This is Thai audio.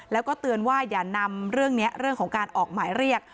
แล้วก็เตือนว่าอย่านำเรื่องนี้เรื่องของการออกหมายเรียก